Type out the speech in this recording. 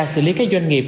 xử lý các doanh nghiệp